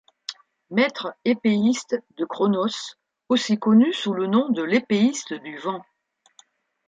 Maître épéiste de Chronos, aussi connu sous le nom de l'épéiste du vent.